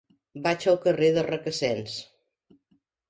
Vaig al carrer de Requesens.